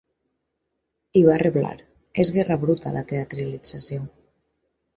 I va reblar: És guerra bruta la teatralització.